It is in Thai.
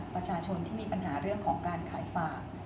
ประชาชนที่มีปัญหาเรื่องของการขายฝาก